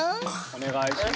お願いします。